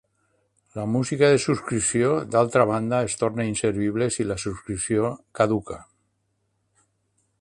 La música de subscripció, d'altra banda, es torna inservible si la subscripció caduca.